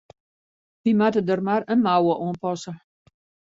We moatte der mar in mouwe oan passe.